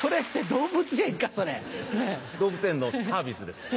動物園のサービスです。